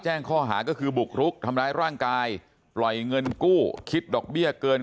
แจ้งข้อหาก็คือบุกรุกทำร้ายร่างกายปล่อยเงินกู้คิดดอกเบี้ยเกิน